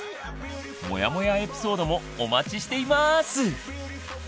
「モヤモヤエピソード」もお待ちしています！